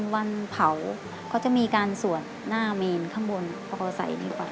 วันเผาก็จะมีการสวดหน้าเมนข้างบนเขาก็ใส่ดีกว่า